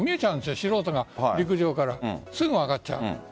素人が陸上からすぐ分かっちゃう。